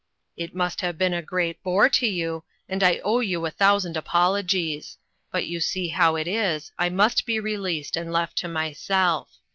It must have been a great bore, to you, and I owe you a thousand apologies ; but you see how it is, I must be released and left to myself.